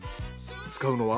使うのは。